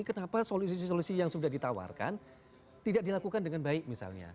kenapa solusi solusi yang sudah ditawarkan tidak dilakukan dengan baik misalnya